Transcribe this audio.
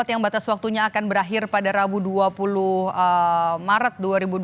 yang batas waktunya akan berakhir pada rabu dua puluh maret dua ribu dua puluh